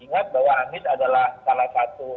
ingat bahwa anies adalah salah satu